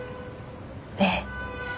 ええ。